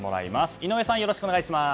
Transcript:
井上さん、よろしくお願いします。